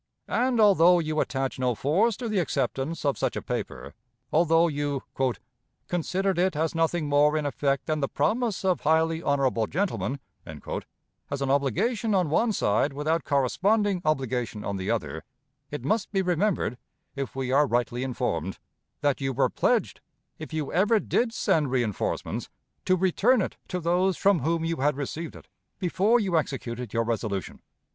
And, although you attach no force to the acceptance of such a paper, although you "considered it as nothing more in effect than the promise of highly honorable gentlemen," as an obligation on one side without corresponding obligation on the other, it must be remembered (if we are rightly informed) that you were pledged, if you ever did send reënforcements, to return it to those from whom you had received it before you executed your resolution.